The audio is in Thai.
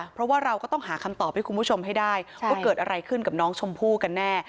เพราะว่าเราก็ต้องหาคำตอบให้คุณผู้ชมให้ได้ว่าเกิดอะไรขึ้นกับน้องชมพู่กันแน่